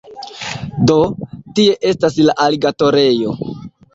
Do, tie estas la aligatorejo